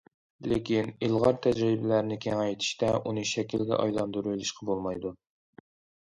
لېكىن ئىلغار تەجرىبىلەرنى كېڭەيتىشتە، ئۇنى شەكىلگە ئايلاندۇرۇۋېلىشقا بولمايدۇ.